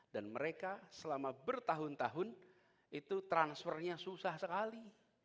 dan mereka selama bertahun tahun transfernya susah sekali